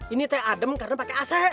ini teh adem karena pakai ac